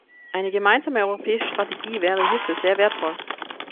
Eine gemeinsame europäische Strategie wäre hierfür sehr wertvoll.